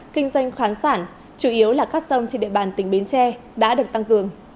kinh doanh khoán soản chủ yếu là cát sông trên địa bàn tỉnh bến tre đã được tăng cường